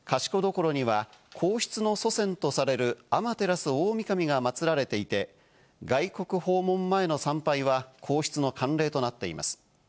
賢所には皇室の祖先とされる天照大神が祀られていて、外国訪問前の参拝は皇室の慣例となっています。